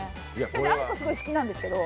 私、あんこ、すごい好きなんですけど。